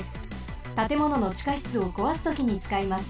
たてもののちかしつをこわすときにつかいます。